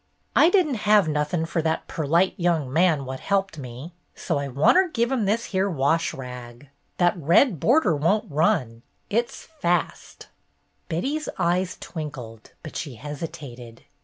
'' I did n't have nothin' fer that perlite young man what helped me, so I wanter give him this here wash rag. That red border won't run. It 's fast." Betty's eyes twinkled; but she hesitated.